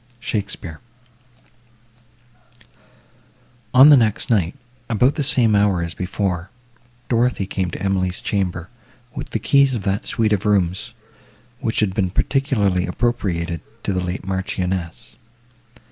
SHAKESPEARE On the next night, about the same hour as before, Dorothée came to Emily's chamber, with the keys of that suite of rooms, which had been particularly appropriated to the late Marchioness.